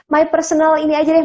my personal ini aja deh yang